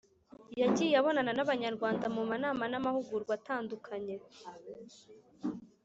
yagiye abonana n’Abanyarwanda mu manama n’amahugurwa atandukanye